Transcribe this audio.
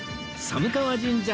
寒川神社。